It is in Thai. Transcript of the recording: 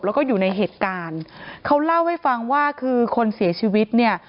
แล้วก็อยู่ในเหตุการณ์เขาเล่าให้ฟังว่าคือคนเสียชีวิตเนี่ย